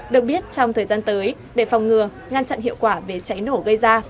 được biết trong thời gian tới để phòng ngừa ngăn chặn hiệu quả về cháy nổ gây ra